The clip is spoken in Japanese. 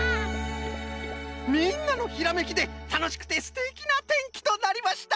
みんなのひらめきでたのしくてすてきなてんきとなりました！